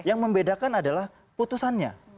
yang membedakan adalah putusannya